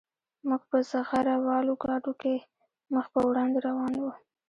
موږ په زغره والو ګاډو کې مخ په وړاندې روان وو